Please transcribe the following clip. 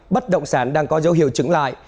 bất động sản đang có dấu hiệu chứng lạc